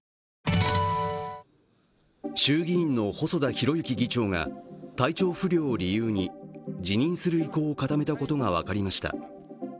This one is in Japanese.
衆議院の細田博之議長が体調不良を理由に辞任する意向を固めたことが分かりました。